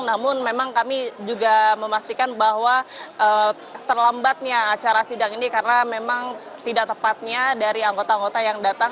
namun memang kami juga memastikan bahwa terlambatnya acara sidang ini karena memang tidak tepatnya dari anggota anggota yang datang